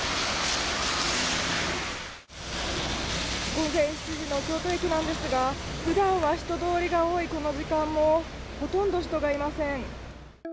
午前７時の東京駅なんですがふだんは人通りが多いこの時間もほとんど人がいません。